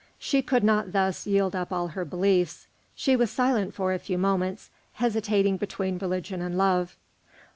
She could not thus yield up all her beliefs. She was silent for a few moments, hesitating between religion and love.